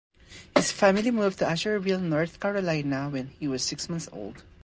His family moved to Asheville, North Carolina, when he was six months old.